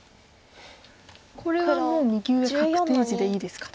これはもう右上確定地でいいですか。